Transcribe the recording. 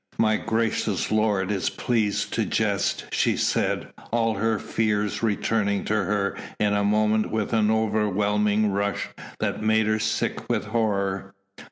"My gracious lord is pleased to jest," she said, all her fears returning to her in a moment with an overwhelming rush that made her sick with horror.